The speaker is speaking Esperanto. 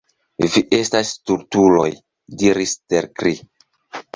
Vi estas stultuloj, diris Stelkri.